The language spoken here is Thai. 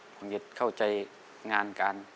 ของเย็นเข้าใจงานการ